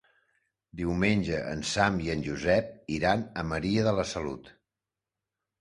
Diumenge en Sam i en Josep iran a Maria de la Salut.